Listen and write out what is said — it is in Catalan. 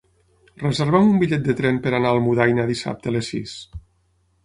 Reserva'm un bitllet de tren per anar a Almudaina dissabte a les sis.